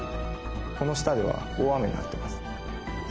この下では大雨になっています。